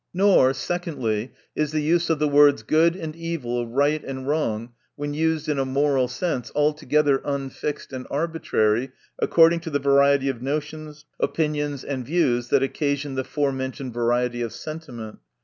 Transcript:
Nor, secondly, is the use of the words, good and evil, right and wrong, when used in a moral sense, altogether unfixed and arbitrary, according to the variety of notions, opinions, and views, that occasion the forementioned variety of sentiment.